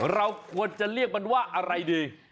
เราควรจะเรียกมันว่าอะไรดี